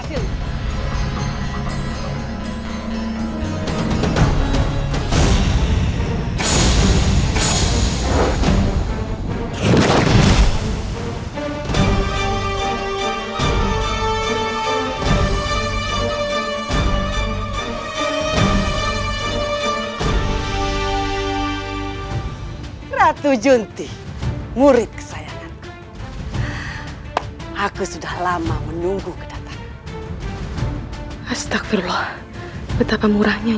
serang aku dengan semuanya